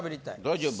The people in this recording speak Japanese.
大丈夫？